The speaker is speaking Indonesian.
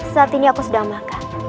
saat ini aku sedang makan